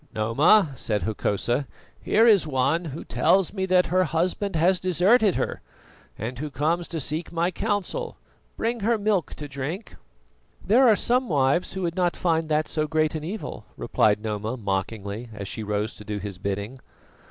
"Noma," said Hokosa, "here is one who tells me that her husband has deserted her, and who comes to seek my counsel. Bring her milk to drink." "There are some wives who would not find that so great an evil," replied Noma mockingly, as she rose to do his bidding.